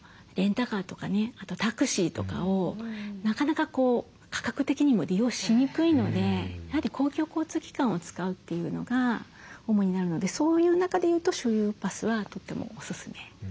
あとタクシーとかをなかなか価格的にも利用しにくいのでやはり公共交通機関を使うというのが主になるのでそういう中で言うと周遊バスはとてもおすすめですね。